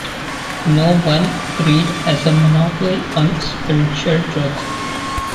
No one creed has a monopoly on spiritual truth.